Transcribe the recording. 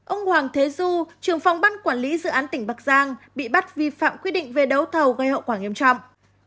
ông hoàng thế du trường phòng ban quản lý dự án tỉnh bắc giang bị bắt vi phạm quy định về đấu thầu gây hậu quả nghiêm trọng